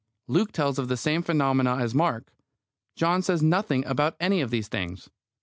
Luke tells of the same phenomena as Mark; John says nothing about any of these things.